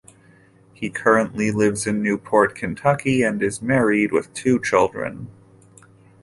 He currently lives in Newport, Kentucky, and is married with two children.